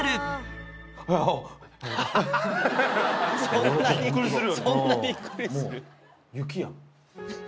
そんなびっくりする？